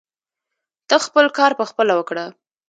ته خپل کار پخپله وکړه.